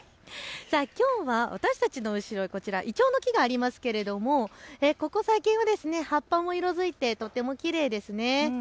きょうは私たちの後ろ、こちら、イチョウの木がありますけれどもここ最近は葉っぱも色づいてとてもきれいですね。